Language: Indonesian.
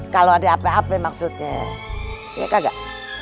kalau ada apa apa maksudnya ya kagak